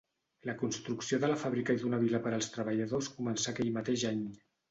La construcció de la fàbrica i d'una vila per als treballadors començà aquell mateix any.